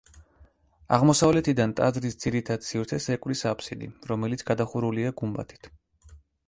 აღმოსავლეთიდან ტაძრის ძირითად სივრცეს ეკვრის აფსიდი, რომელიც გადახურულია გუმბათით.